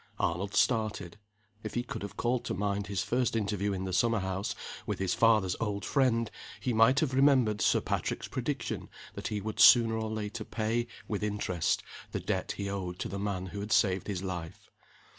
Arnold started. If he could have called to mind his first interview in the summer house with his father's old friend he might have remembered Sir Patrick's prediction that he would sooner or later pay, with interest, the debt he owed to the man who had saved his life.